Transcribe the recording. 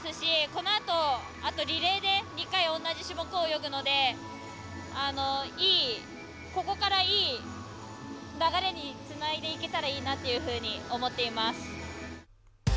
このあと、リレーで２回同じ種目を泳ぐのでここから、いい流れにつないでいけたら、いいなっていうふうに思っています。